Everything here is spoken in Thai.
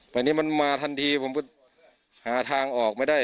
แต่นี่มันมาทันทีผมก็หาทางออกไม่ได้